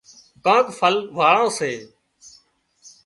ڪانڪ ڦل واۯان سي